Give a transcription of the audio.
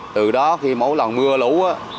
từ đó khi mỗi lần mưa lũ